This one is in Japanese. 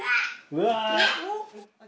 うわ。